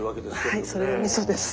はいそれがみそです。